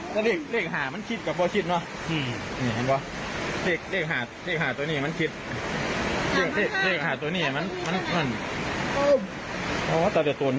ท่านด้วยไหมท่านใจได้ไหม